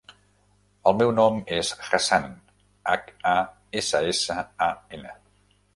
El meu nom és Hassan: hac, a, essa, essa, a, ena.